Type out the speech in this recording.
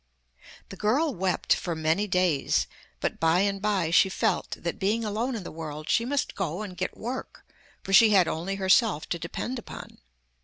The girl wept for many days, but by and by she felt that, being alone in the world, she must go and get work, for she had only herself to depend upon.